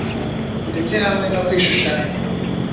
Ndetse hamwe no kwishushanya